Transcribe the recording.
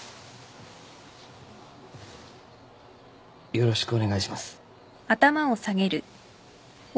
よろしくお願いします。